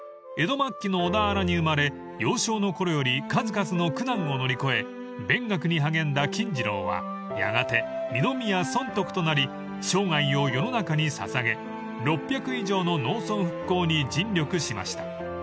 ［江戸末期の小田原に生まれ幼少のころより数々の苦難を乗り越え勉学に励んだ金次郎はやがて二宮尊徳となり生涯を世の中に捧げ６００以上の農村復興に尽力しました］